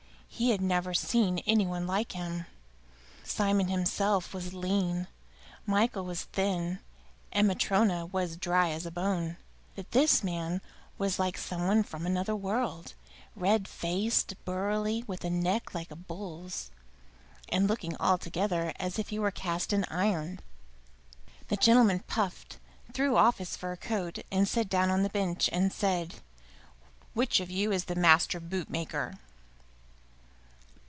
He had never seen any one like him. Simon himself was lean, Michael was thin, and Matryona was dry as a bone, but this man was like some one from another world: red faced, burly, with a neck like a bull's, and looking altogether as if he were cast in iron. The gentleman puffed, threw off his fur coat, sat down on the bench, and said, "Which of you is the master bootmaker?"